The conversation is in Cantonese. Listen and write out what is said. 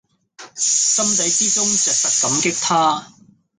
心底之中著實感激他